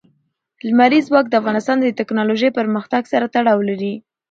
لمریز ځواک د افغانستان د تکنالوژۍ پرمختګ سره تړاو لري.